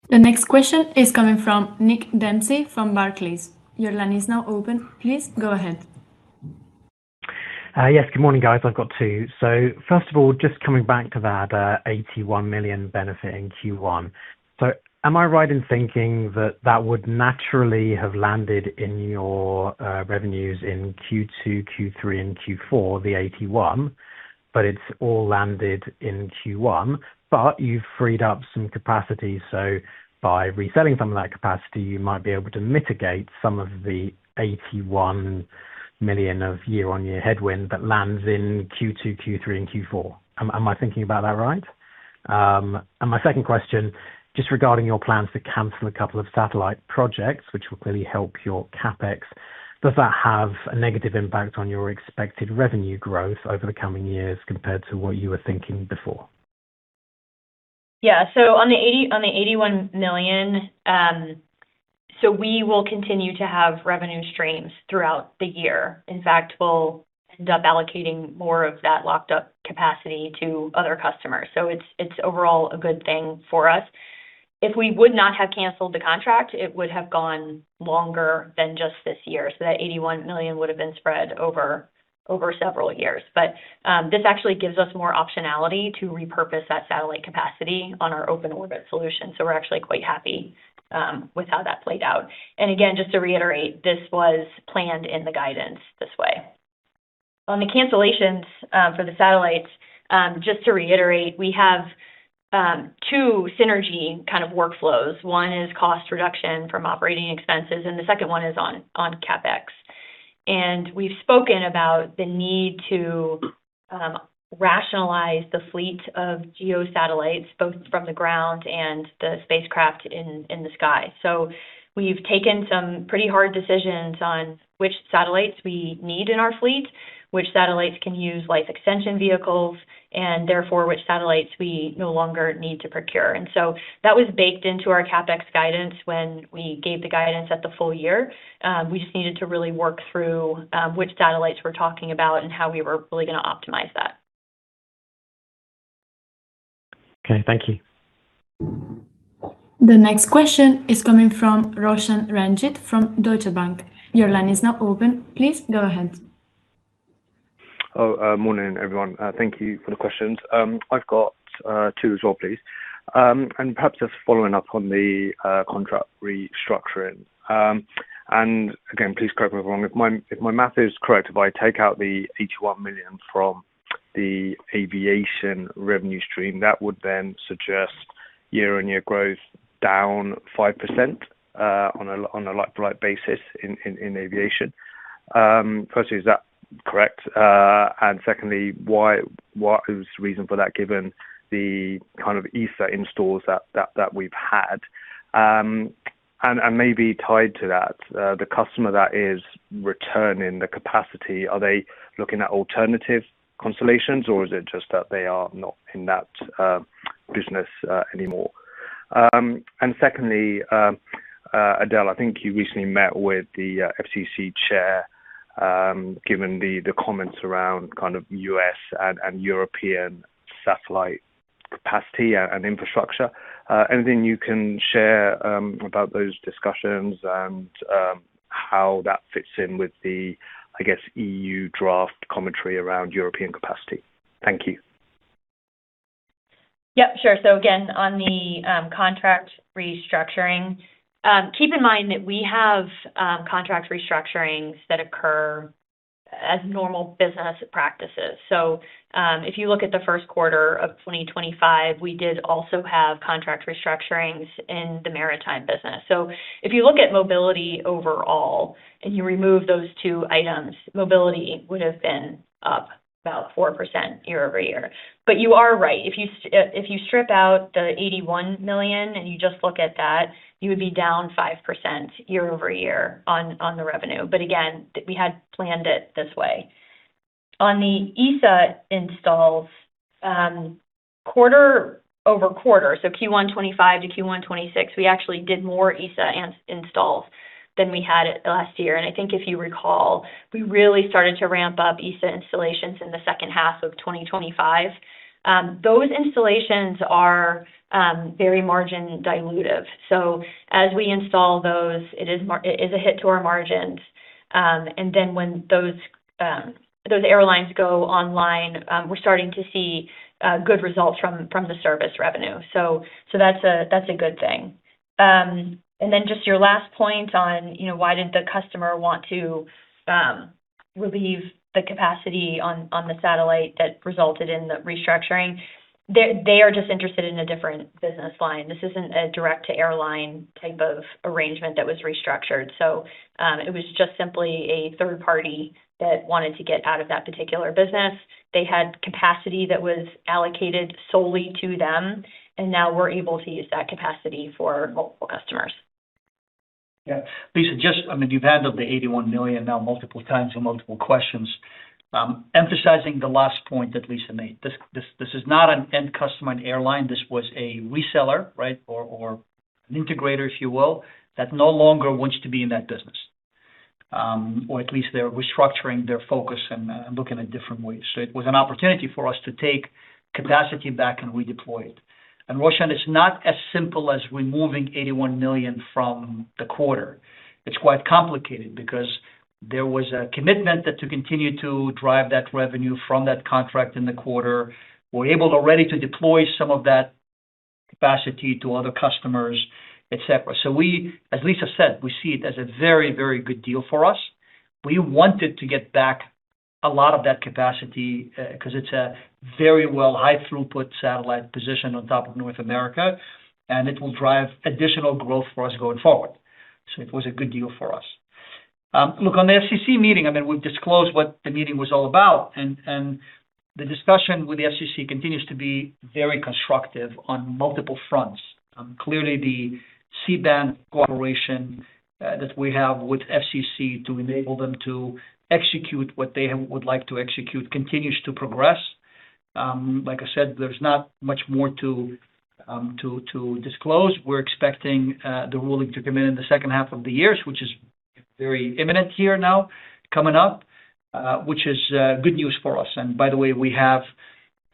The next question is coming from Nick Dempsey from Barclays. Your line is now open. Please go ahead. Yes. Good morning, guys. I've got two. First of all, just coming back to that 81 million benefit in Q1. Am I right in thinking that that would naturally have landed in your revenues in Q2, Q3, and Q4, the 81 million? It's all landed in Q1, but you've freed up some capacity, by reselling some of that capacity, you might be able to mitigate some of the 81 million of year-on-year headwind that lands in Q2, Q3, and Q4. Am I thinking about that right? My second question, just regarding your plans to cancel a couple of satellite projects, which will clearly help your CapEx. Does that have a negative impact on your expected revenue growth over the coming years compared to what you were thinking before? On the 81 million, we will continue to have revenue streams throughout the year. In fact, we'll end up allocating more of that locked-up capacity to other customers. It's overall a good thing for us. If we would not have canceled the contract, it would have gone longer than just this year. That 81 million would have been spread over several years. This actually gives us more optionality to repurpose that satellite capacity on our Open Orbits solution. We're actually quite happy with how that played out. Again, just to reiterate, this was planned in the guidance this way. On the cancellations for the satellites, just to reiterate, we have two synergy kind of workflows. One is cost reduction from operating expenses, and the second one is on CapEx. We've spoken about the need to rationalize the fleet of GEO satellites, both from the ground and the spacecraft in the sky. We've taken some pretty hard decisions on which satellites we need in our fleet, which satellites can use life extension vehicles, and therefore, which satellites we no longer need to procure. That was baked into our CapEx guidance when we gave the guidance at the full year. We just needed to really work through which satellites we're talking about and how we were really gonna optimize that. Okay. Thank you. The next question is coming from Roshan Ranjit from Deutsche Bank. Your line is now open. Please go ahead. Morning, everyone. Thank you for the questions. I've got two as well, please. Perhaps just following up on the contract restructuring. Again, please correct me if I'm wrong. If my math is correct, if I take out the 81 million from the aviation revenue stream, that would then suggest year-on-year growth down 5% on a like basis in Aviation. Firstly, is that correct? Secondly, why, what is the reason for that, given the kind of ESA installs that we've had? Maybe tied to that, the customer that is returning the capacity, are they looking at alternative constellations, or is it just that they are not in that business anymore? Secondly, Adel, I think you recently met with the FCC chair, given the comments around kind of U.S. and European satellite capacity and infrastructure. Anything you can share about those discussions and how that fits in with the, I guess, EU draft commentary around European capacity? Thank you. Yep. Sure. Again, on the contract restructuring, keep in mind that we have contract restructurings that occur as normal business practices. If you look at the first quarter of 2025, we did also have contract restructurings in the maritime business. If you look at mobility, overall, and you remove those two items, mobility would have been about 4% year-over-year. But you are right. If you strip out the 81 million, and you just look at that, you would be down 5% year-over-year on the revenue. Again, we had planned it this way. On the ESA installs, quarter-over-quarter, so Q1 2025 to Q1 2026, we actually did more ESA installs than we had last year. I think if you recall, we really started to ramp up ESA installations in the second half of 2025. Those installations are very margin dilutive. As we install those, it is a hit to our margins. When those airlines go online, we're starting to see good results from the service revenue. That's a good thing. Just your last point on, you know, why didn't the customer want to relieve the capacity on the satellite that resulted in the restructuring. They are just interested in a different business line. This isn't a direct-to-airline type of arrangement that was restructured. It was just simply a third party that wanted to get out of that particular business. They had capacity that was allocated solely to them. Now we're able to use that capacity for multiple customers. Lisa, I mean, you've handled the 81 million now multiple times in multiple questions. Emphasizing the last point that Lisa made. This is not an end customer, an airline. This was a reseller, right? Or an integrator, if you will, that no longer wants to be in that business. Or at least they're restructuring their focus and looking at different ways. It was an opportunity for us to take capacity back and redeploy it. Roshan, it's not as simple as removing 81 million from the quarter. It's quite complicated because there was a commitment that to continue to drive that revenue from that contract in the quarter. We're able already to deploy some of that capacity to other customers, et cetera. We, as Lisa said, we see it as a very good deal for us. We wanted to get back a lot of that capacity because it's a very high throughput satellite position on top of North America. It will drive additional growth for us going forward. It was a good deal for us. Look, on the FCC meeting, I mean, we've disclosed what the meeting was all about, and the discussion with the FCC continues to be very constructive on multiple fronts. Clearly, the C-band cooperation that we have with FCC to enable them to execute what they would like to execute continues to progress. Like I said, there's not much more to disclose. We're expecting the ruling to come in in the second half of the year, which is very imminent here now coming up, which is good news for us. By the way, we have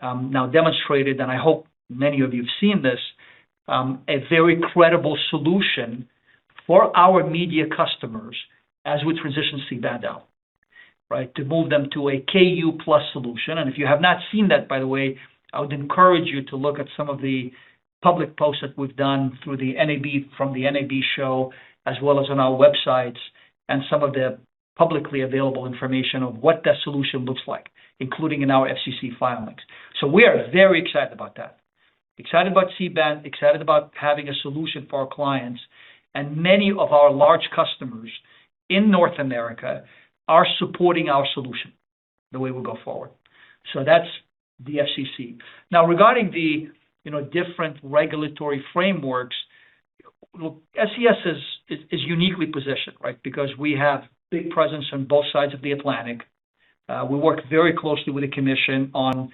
now demonstrated, and I hope many of you have seen this, a very credible solution for our Media customers as we transition C-band out, right? To move them to a Ku Plus solution. If you have not seen that, by the way, I would encourage you to look at some of the public posts that we've done from the NAB show, as well as on our websites and some of the publicly available information of what that solution looks like, including in our FCC filings. We are very excited about that. Excited about C-band, excited about having a solution for our clients. Many of our large customers in North America are supporting our solution, the way we'll go forward. That's the FCC. Now regarding the, you know, different regulatory frameworks, look, SES is uniquely positioned, right? Because we have big presence on both sides of the Atlantic. We work very closely with the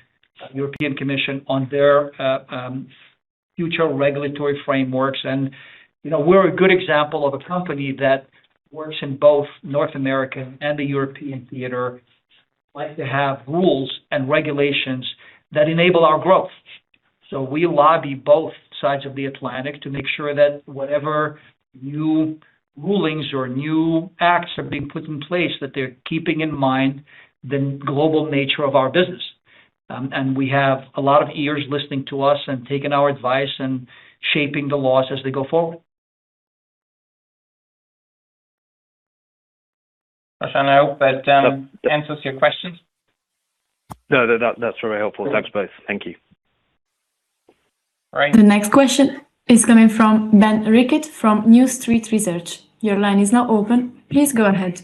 European Commission on their future regulatory frameworks. You know, we're a good example of a company that works in both North America and the European theater like to have rules and regulations that enable our growth. We lobby both sides of the Atlantic to make sure that whatever new rulings or new acts are being put in place, that they're keeping in mind the global nature of our business. And we have a lot of ears listening to us and taking our advice and shaping the laws as they go forward. Roshan, I hope that answers your questions. No, that's very helpful. Thanks both. Thank you. All right. The next question is coming from Ben Rickett from New Street Research. Your line is now open. Please go ahead.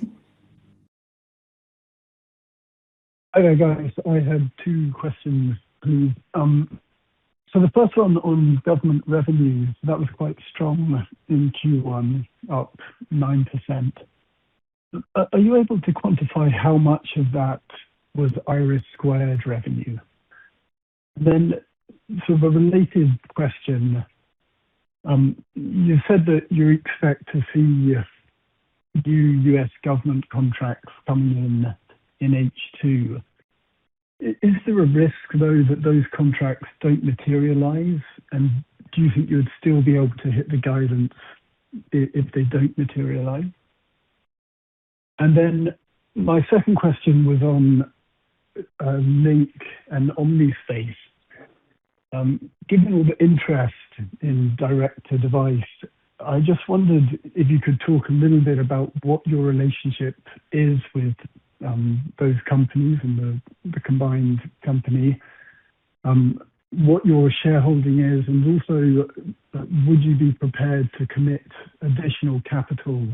Hi there, guys. I had two questions, please. The first one on government revenues, that was quite strong in Q1, up 9%. Are you able to quantify how much of that was IRIS² revenue? Sort of a related question. You said that you expect to see new U.S. government contracts coming in in H2. Is there a risk though that those contracts don't materialize? Do you think you'd still be able to hit the guidance if they don't materialize? My second question was on Lynk and Omnispace. Given all the interest in direct-to-device, I just wondered if you could talk a little bit about what your relationship is with those companies and the combined company, what your shareholding is. Also, would you be prepared to commit additional capital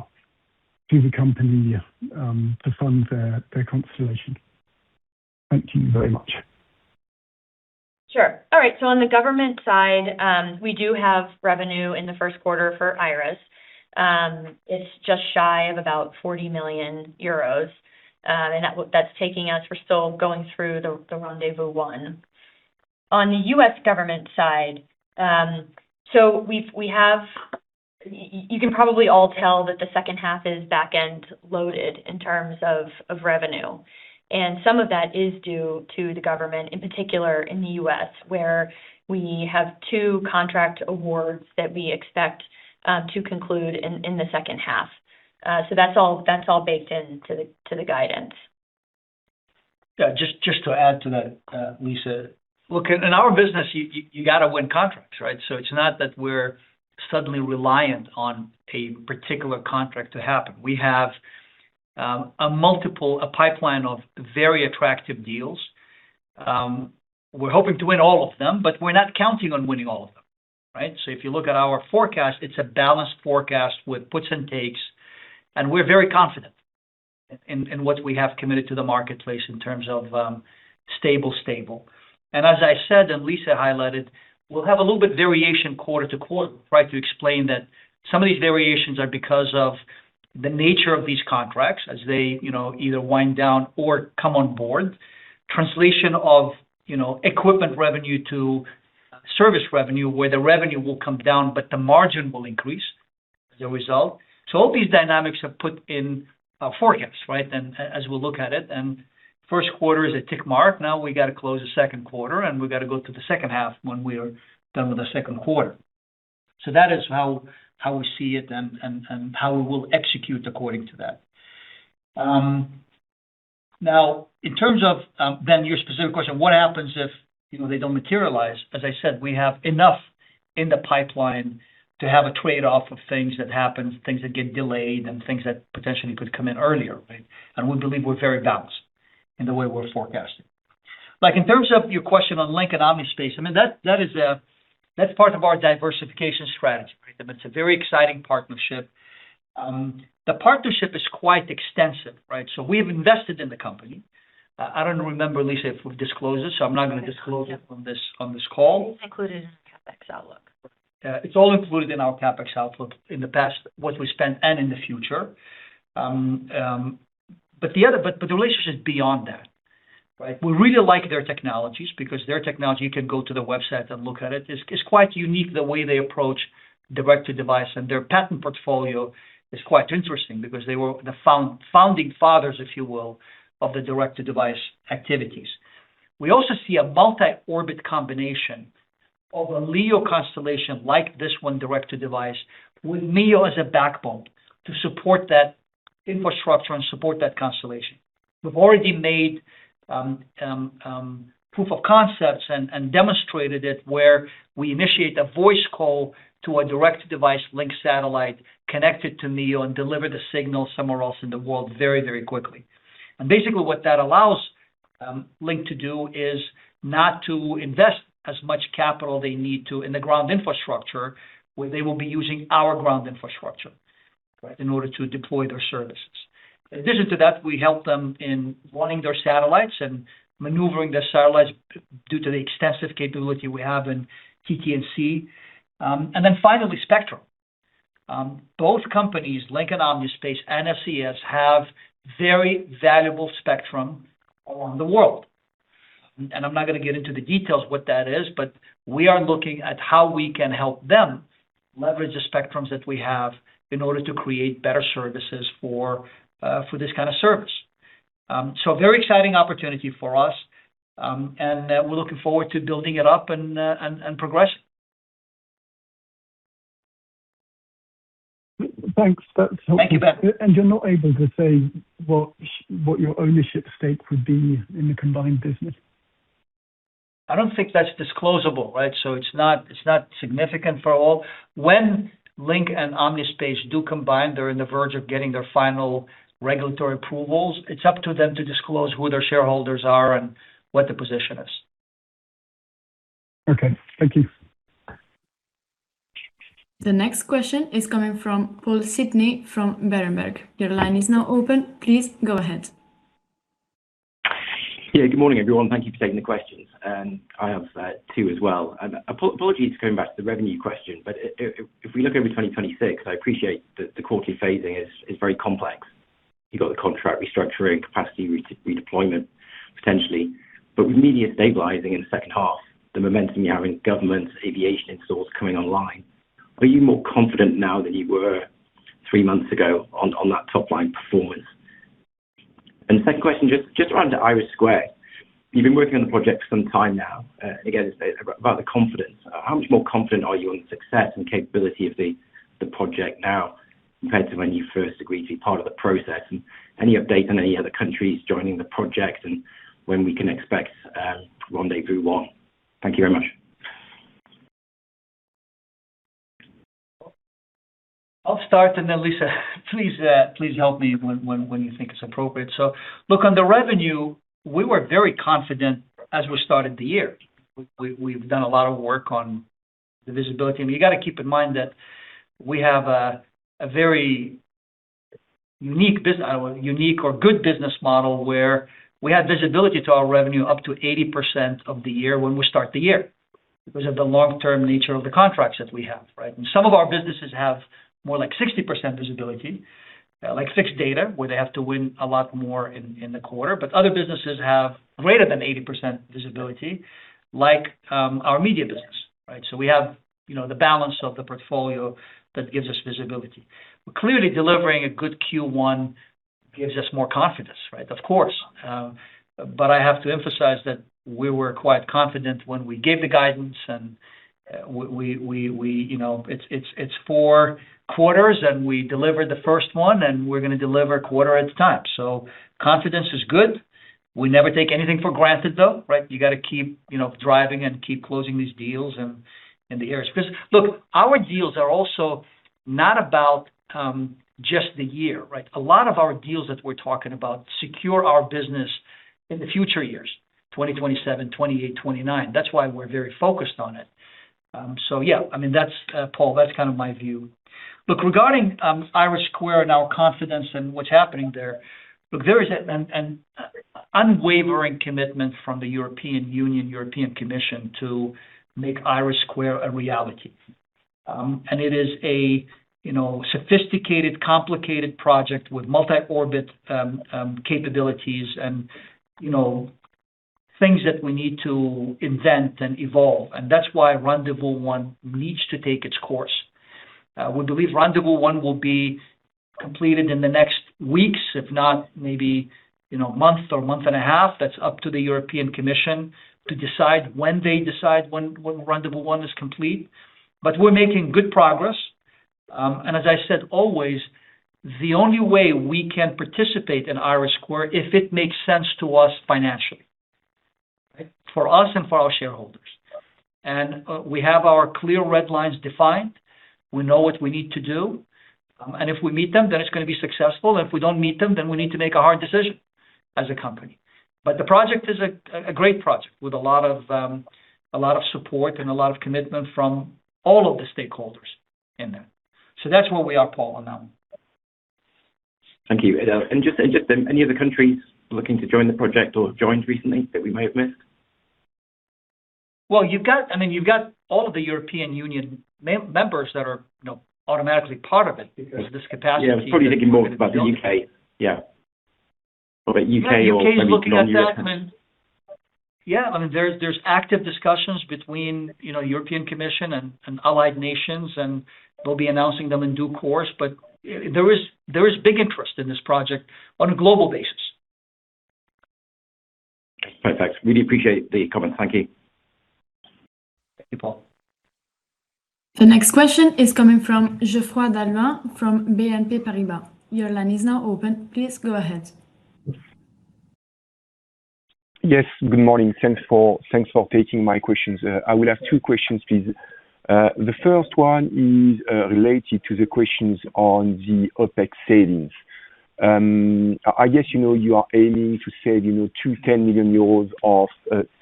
to the company, to fund their consolidation? Thank you very much. Sure. All right, on the government side, we do have revenue in the first quarter for IRIS². It's just shy of about 40 million euros. That's taking us. We're still going through the Rendez-Vous 1. On the U.S. government side, you can probably all tell that the second half is back-end loaded in terms of revenue. Some of that is due to the government, in particular in the U.S., where we have two contract awards that we expect to conclude in the second half. That's all baked into the guidance. Yeah. Just to add to that, Lisa. Look, in our business, you gotta win contracts, right? It's not that we're suddenly reliant on a particular contract to happen. We have a pipeline of very attractive deals. We're hoping to win all of them, we're not counting on winning all of them, right? If you look at our forecast, it's a balanced forecast with puts and takes, and we're very confident in what we have committed to the marketplace in terms of stable. As I said, and Lisa highlighted, we'll have a little bit variation quarter-to-quarter, right? To explain that some of these variations are because of the nature of these contracts as they, you know, either wind down or come on board. Translation of, you know, equipment revenue to service revenue, where the revenue will come down but the margin will increase as a result. All these dynamics have put in our forecasts, right? As we look at it. First quarter is a tick mark, now we gotta close the second quarter, and we've gotta go to the second half when we're done with the second quarter. That is how we see it and how we will execute according to that. Now in terms of, Ben, your specific question, what happens if, you know, they don't materialize? As I said, we have enough in the pipeline to have a trade-off of things that happen, things that get delayed, and things that potentially could come in earlier, right? We believe we're very balanced in the way we're forecasting. Like, in terms of your question on Lynk and Omnispace, I mean, that's part of our diversification strategy. The partnership is quite extensive, right? We have invested in the company. I don't remember, Lisa, if we disclosed this, I'm not gonna disclose it on this call. It's included in the CapEx outlook. Yeah. It's all included in our CapEx outlook. In the past, what we spent, and in the future. The relationship is beyond that, right? We really like their technologies because their technology, you can go to the website and look at it. It's quite unique the way they approach Direct-to-Device, and their patent portfolio is quite interesting because they were the founding fathers, if you will, of the Direct-to-Device activities. We also see a multi-orbit combination of a LEO constellation like this one Direct-to-Device with MEO as a backbone to support that infrastructure and support that constellation. We've already made proof of concepts and demonstrated it where we initiate a voice call to a Direct-to-Device link satellite connected to MEO and deliver the signal somewhere else in the world very, very quickly. Basically what that allows Lynk to do is not to invest as much capital they need to in the ground infrastructure where they will be using our ground infrastructure, right, in order to deploy their services. In addition to that, we help them in warning their satellites and maneuvering their satellites due to the extensive capability we have in TT&C. Finally, spectrum. Both companies, Lynk and Omnispace and SES, have very valuable spectrum along the world. I'm not going to get into the details what that is, but we are looking at how we can help them leverage the spectrums that we have in order to create better services for this kind of service. Very exciting opportunity for us, and we're looking forward to building it up and progressing. Thanks. That's helpful. Thank you, Ben. You're not able to say what your ownership stake would be in the combined business? I don't think that's disclosable, right? It's not significant for all. When Lynk and Omnispace do combine, they're on the verge of getting their final regulatory approvals. It's up to them to disclose who their shareholders are and what the position is. Okay. Thank you. The next question is coming from Paul Sidney from Berenberg. Your line is now open. Please go ahead. Yeah. Good morning, everyone. Thank you for taking the questions. I have two as well. Apologies for going back to the revenue question, if we look over to 2026, I appreciate that the quarterly phasing is very complex. You've got the contract restructuring, capacity redeployment potentially. With Media stabilizing in the second half, the momentum you have in government, aviation installs coming online, are you more confident now than you were three months ago on that top line performance? Second question, just around the IRIS². You've been working on the project for some time now. Again, it's about the confidence. How much more confident are you in the success and capability of the project now compared to when you first agreed to be part of the process? Any update on any other countries joining the project, and when we can expect, Rendez-Vous 1? Thank you very much. I'll start, and then Lisa, please help me when you think it's appropriate. Look, on the revenue, we were very confident as we started the year. We've done a lot of work on the visibility. I mean, you gotta keep in mind that we have a very unique business model where we have visibility to our revenue up to 80% of the year when we start the year because of the long-term nature of the contracts that we have, right? Some of our businesses have more like 60% visibility, like Fixed Data, where they have to win a lot more in the quarter. Other businesses have greater than 80% visibility, like our Media business, right? We have, you know, the balance of the portfolio that gives us visibility. Clearly, delivering a good Q1 gives us more confidence, right? Of course. I have to emphasize that we were quite confident when we gave the guidance, and we, you know, it's four quarters, and we delivered the first one, and we're gonna deliver a quarter at a time. Confidence is good. We never take anything for granted though, right? You got to keep, you know, driving and keep closing these deals and the IRRs. Look, our deals are also not about just the year, right? A lot of our deals that we're talking about secure our business in the future years, 2027, 2028, 2029. That's why we're very focused on it. Yeah, I mean, that's, Paul, that's kind of my view. Regarding IRIS² and our confidence in what's happening there is an unwavering commitment from the European Union, European Commission to make IRIS² a reality. It is a, you know, sophisticated, complicated project with multi-orbit capabilities and, you know, things that we need to invent and evolve. That's why Rendez-Vous 1 needs to take its course. We believe Rendez-Vous 1 will be completed in the next weeks, if not maybe, you know, month or month and a half. That's up to the European Commission to decide when they decide when Rendez-Vous 1 is complete. We're making good progress. As I said always, the only way we can participate in IRIS² if it makes sense to us financially, right? For us and for our shareholders. We have our clear red lines defined. We know what we need to do. If we meet them, then it's going to be successful. If we don't meet them, then we need to make a hard decision as a company. The project is a great project with a lot of, a lot of support and a lot of commitment from all of the stakeholders in there. That's where we are, Paul, on that one. Thank you, Adel. Just any other countries looking to join the project or joined recently that we may have missed? Well, I mean, you've got all of the European Union members that are, you know, automatically part of it with this capacity that- Yeah, I was probably thinking more about the U.K. Yeah, the U.K. or maybe non-European. The U.K. is looking at that. I mean, yeah, I mean, there's active discussions between, you know, European Commission and allied nations. We'll be announcing them in due course. There is big interest in this project on a global basis. Perfect. Really appreciate the comment. Thank you. Thank you, Paul. The next question is coming from Geoffrey d'Halluin from BNP Paribas. Your line is now open. Please go ahead. Yes, good morning. Thanks for taking my questions. I will have two questions, please. The first one is related to the questions on the OpEx savings. I guess, you know, you are aiming to save, you know, 210 million euros of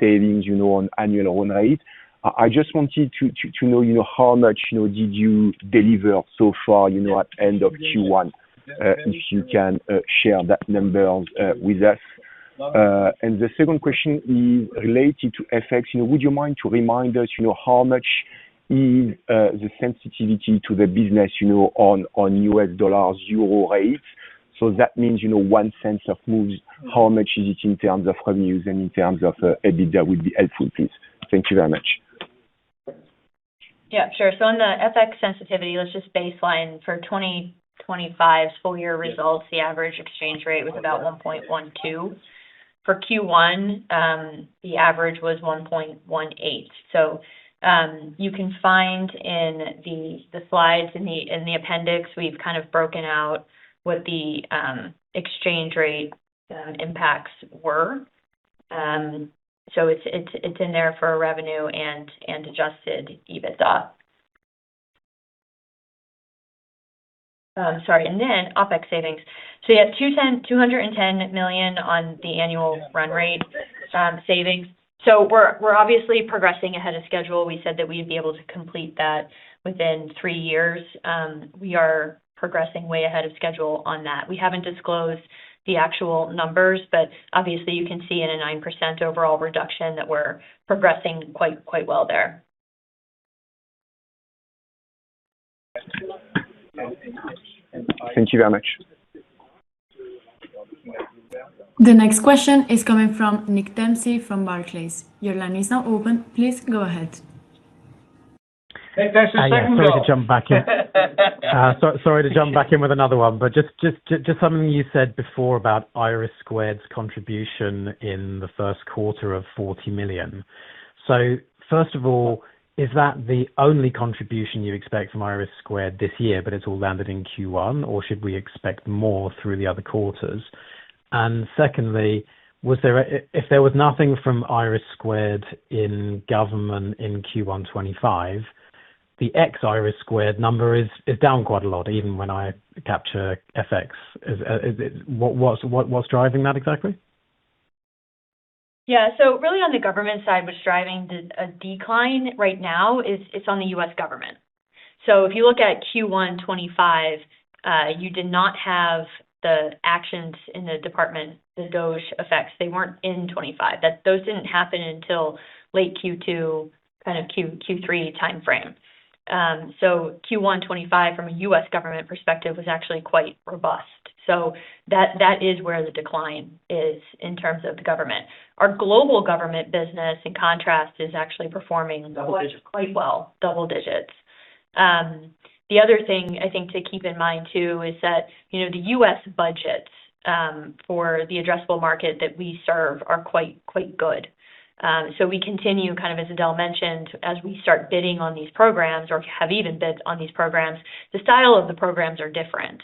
savings, you know, on annual run rate. I just wanted to know, you know, how much, you know, did you deliver so far, you know, at end of Q1, if you can share that number with us. The second question is related to FX. You know, would you mind to remind us, you know, how much is the sensitivity to the business, you know, on US dollars-euro rate? That means, you know, 0.01 of moves, how much is it in terms of revenues and in terms of EBITDA would be helpful, please. Thank you very much. Yeah, sure. On the FX sensitivity, let's just baseline for 2025's full year results, the average exchange rate was about 1.12. For Q1, the average was 1.18. You can find in the slides in the appendix, we've kind of broken out what the exchange rate impacts were. It's in there for revenue and adjusted EBITDA. Sorry, OpEx savings. Yeah, 210 million on the annual run rate savings. We're obviously progressing ahead of schedule. We said that we'd be able to complete that within three years. We are progressing way ahead of schedule on that. We haven't disclosed the actual numbers, but obviously you can see in a 9% overall reduction that we're progressing quite well there. Thank you very much. The next question is coming from Nick Dempsey from Barclays. Your line is now open. Please go ahead. Hey, there's your second call. Sorry to jump back in. Sorry to jump back in with another one. Just something you said before about IRIS²'s contribution in the first quarter of 40 million. First of all, is that the only contribution you expect from IRIS² this year, but it's all landed in Q1, or should we expect more through the other quarters? Secondly, if there was nothing from IRIS² in government in Q1 2025, the ex IRIS² number is down quite a lot, even when I capture FX. Is it what's driving that exactly? Yeah. Really on the government side, what's driving the decline right now is it's on the U.S. government. If you look at Q1 2025, you did not have the actions in the Department, the DOGE effects. They weren't in 2025. Those didn't happen until late Q2, kind of Q3 timeframe. Q1 2025 from a U.S. government perspective was actually quite robust. That is where the decline is in terms of the government. Our global government business, in contrast, is actually performing quite well, double digits. The other thing I think to keep in mind too is that, you know, the U.S. budgets for the addressable market that we serve are quite good. We continue, kind of as Adel mentioned, as we start bidding on these programs or have even bids on these programs, the style of the programs are different.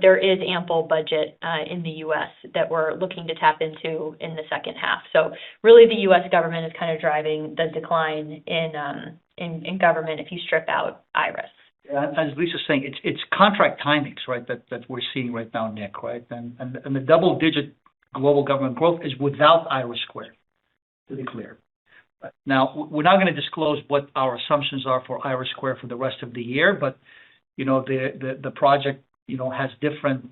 There is ample budget in the U.S. that we're looking to tap into in the second half. Really the U.S. government is kind of driving the decline in government if you strip out IRIS². Yeah, as Lisa's saying, it's contract timings, right? That we're seeing right now, Nick. Right? The double-digit global government growth is without IRIS², to be clear. We're not gonna disclose what our assumptions are for IRIS² for the rest of the year, you know, the project, you know, has different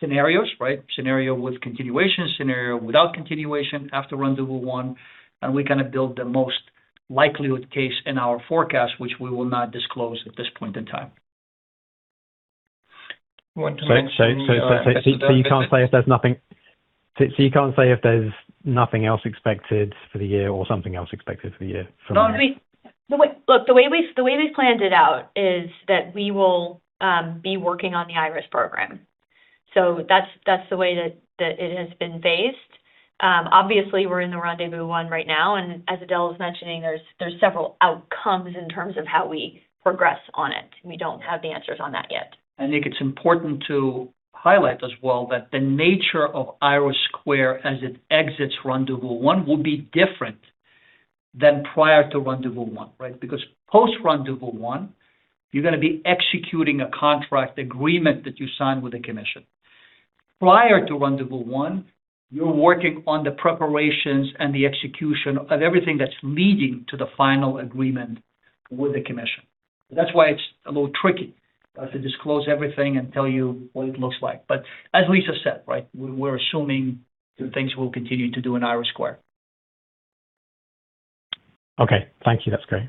scenarios. Right? Scenario with continuation, scenario without continuation after Rendez-Vous 1, we kind of build the most likelihood case in our forecast, which we will not disclose at this point in time. want to mention. You can't say if there's nothing else expected for the year or something else expected for the year from IRIS? The way we've planned it out is that we will be working on the IRIS² program, that's the way that it has been based. Obviously we're in the Rendez-Vous 1 right now, as Adel was mentioning, there's several outcomes in terms of how we progress on it. We don't have the answers on that yet. I think it's important to highlight as well that the nature of IRIS² as it exits Rendez-Vous 1 will be different than prior to Rendez-Vous 1, right? Because post Rendez-Vous 1, you're gonna be executing a contract agreement that you signed with the commission. Prior to Rendez-Vous 1, you're working on the preparations and the execution of everything that's leading to the final agreement with the commission. That's why it's a little tricky to disclose everything and tell you what it looks like. As Lisa said, right, we're assuming that things will continue to do in IRIS². Okay. Thank you. That's great.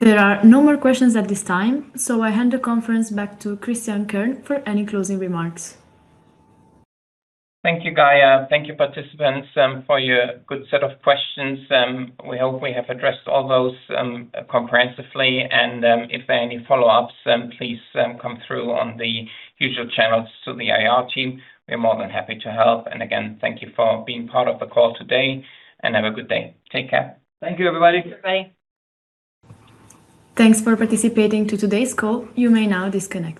There are no more questions at this time. I hand the conference back to Christian Kern for any closing remarks. Thank you, Gaia. Thank you, participants, for your good set of questions. We hope we have addressed all those comprehensively, and if there are any follow-ups, please come through on the usual channels to the IR team. We're more than happy to help. Again, thank you for being part of the call today, and have a good day. Take care. Thank you, everybody. Bye-bye. Thanks for participating to today's call. You may now disconnect.